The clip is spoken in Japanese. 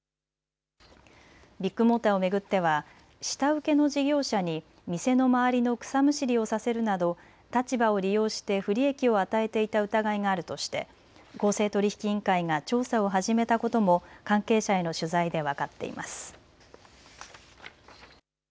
ビッグモーターを巡っては下請けの事業者に店の周りの草むしりをさせるなど立場を利用して不利益を与えていた疑いがあるとして公正取引委員会が調査を始めたことも関係者への取材で分かっています。